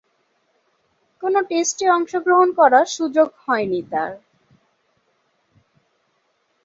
কোন টেস্টে অংশগ্রহণ করার সুযোগ হয়নি তার।